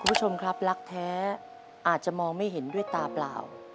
คุณผู้ชมครับรักแท้อาจจะมองไม่เห็นด้วยตาเปล่า